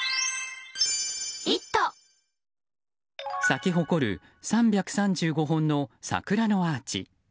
咲き誇る３３５本の桜のアーチ。